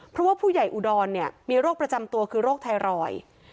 เพราะว่าผู้ใหญ่อุดรมีโรคประจำตัวคือโรคไทรอยด์